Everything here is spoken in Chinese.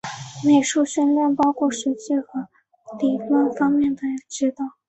美术训练包括实践和理论方面的指导。